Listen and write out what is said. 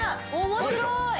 面白い！